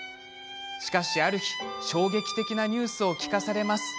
しかし、ある日衝撃的なニュースを聞かされます。